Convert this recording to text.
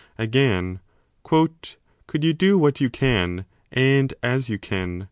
Again, Could you do what you can, and as you can ?